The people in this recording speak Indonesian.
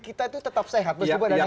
kita itu tetap sehat